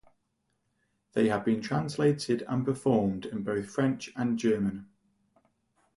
They have been translated and performed in both French and German.